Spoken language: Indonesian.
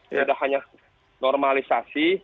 tidak hanya normalisasi